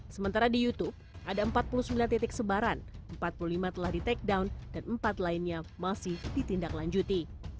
sementara di youtube ada empat puluh sembilan titik sebaran empat puluh lima telah di take down dan empat lainnya masih ditindaklanjuti